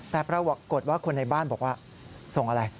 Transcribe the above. แต่ปรากฏว่าคนในบ้านบอกว่าส่งอะไร